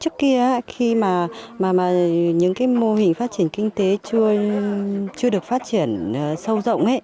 trước kia khi mà những cái mô hình phát triển kinh tế chưa được phát triển sâu rộng ấy